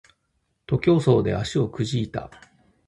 徒競走で足をくじいた